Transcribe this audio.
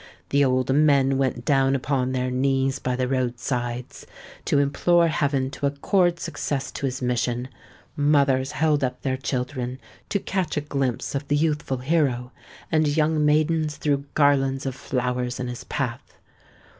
The old men went down upon their knees by the road sides, to implore heaven to accord success to his mission;—mothers held up their children to catch a glimpse of the youthful hero;—and young maidens threw garlands of flowers in his path.